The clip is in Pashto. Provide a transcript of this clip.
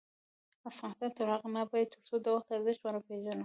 افغانستان تر هغو نه ابادیږي، ترڅو د وخت ارزښت ونه پیژنو.